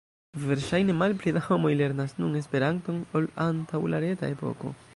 Verŝajne malpli da homoj lernas nun Esperanton ol antaŭ la reta epoko.